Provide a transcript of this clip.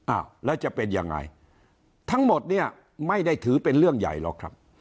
อ้าวแล้วจะเป็นยังไงทั้งหมดเนี่ยไม่ได้ถือเป็นเรื่องใหญ่หรอกครับ